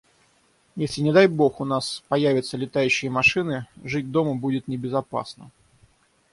Если, не дай бог, у нас появятся летающие машины, жить дома будет небезопасно.